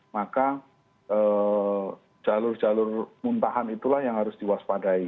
maka jalur jalur muntahan itulah yang harus diwaspadai